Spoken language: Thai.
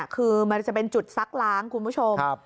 คือมันจะเป็นจุดซักล้างคุณผู้ชม